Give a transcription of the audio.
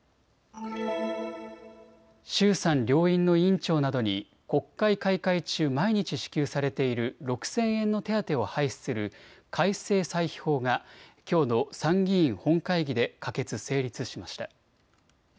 衆参両院の委員長などに国会開会中、毎日支給されている６０００円の手当を廃止する改正歳費法がきょうの参議院本会議で可決・成立しました。